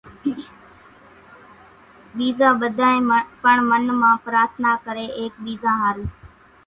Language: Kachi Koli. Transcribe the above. ٻيزان ٻڌانئين پڻ منَ مان پرارٿنا ڪري ايڪ ٻيزا ۿارُو